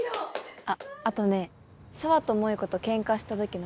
あっあとね紗羽と萌子とケンカしたときの